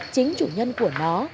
chính chủ nhân của nó